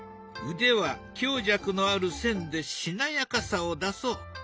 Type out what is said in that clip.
腕は強弱のある線でしなやかさを出そう。